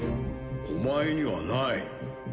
お前にはない。